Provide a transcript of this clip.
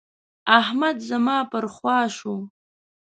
احمد زما پر خوا شو.